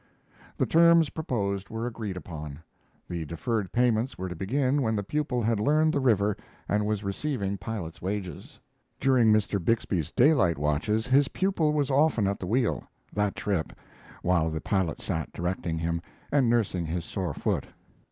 The terms proposed were agreed upon. The deferred payments were to begin when the pupil had learned the river and was receiving pilot's wages. During Mr. Bixby's daylight watches his pupil was often at the wheel, that trip, while the pilot sat directing him and nursing his sore foot.